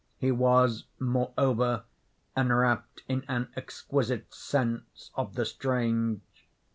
He was, moreover, enwrapt in an exquisite sense of the strange.